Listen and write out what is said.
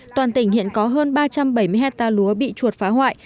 toàn tỉnh hiện có hơn ba trăm bảy mươi hectare lúa bị chuột phá hoại